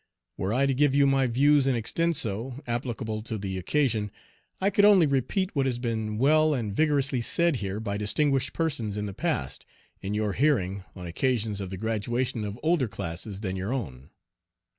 Were I to give you my views in extenso, applicable to the occasion, I could only repeat what has been well and vigorously said here by distinguished persons in the past, in your hearing, on occasions of the graduation of older classes than your own.